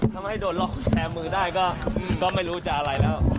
ทำให้โดนลอดแคลมือได้ก็ก็ไม่รู้จะอะไรแล้ว